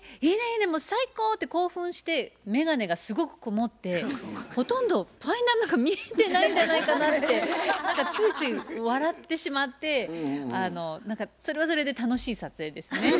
もう最高！」って興奮して眼鏡がすごく曇ってほとんどファインダーの中見えてないんじゃないかなって何かついつい笑ってしまってそれはそれで楽しい撮影ですね。